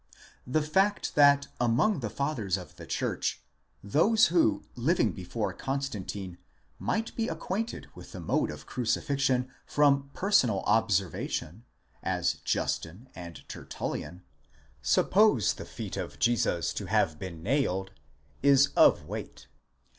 The fact that among the fathers of the church, those who, living before Constantine, might be acquainted with the mode of crucifixion from personal observation, as Justin and Tertullian, suppose the feet of Jesus to have been nailed, is of weight.